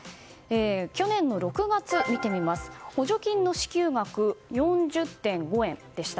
去年の６月、補助金の支給額４０．５円でした。